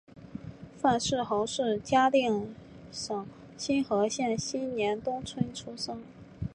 范氏姮是嘉定省新和县新年东村出生。